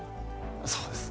そうです。